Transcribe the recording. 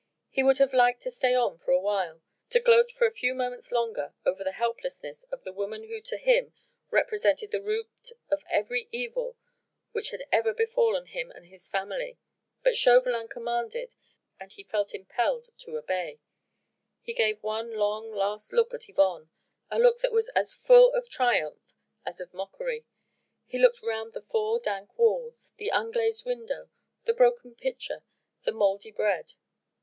He would have liked to stay on for awhile, to gloat for a few moments longer over the helplessness of the woman who to him represented the root of every evil which had ever befallen him and his family. But Chauvelin commanded and he felt impelled to obey. He gave one long, last look on Yvonne a look that was as full of triumph as of mockery he looked round the four dank walls, the unglazed window, the broken pitcher, the mouldy bread.